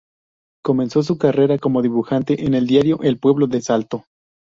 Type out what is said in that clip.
Comenzó su carrera como dibujante en el Diario El Pueblo de Salto.